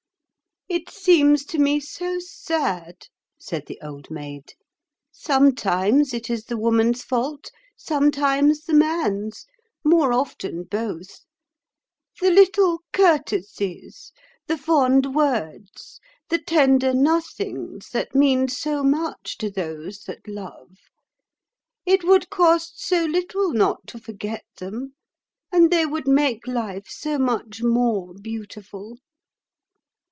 "It seems to me so sad," said the Old Maid. "Sometimes it is the woman's fault, sometimes the man's; more often both. The little courtesies, the fond words, the tender nothings that mean so much to those that love—it would cost so little not to forget them, and they would make life so much more beautiful."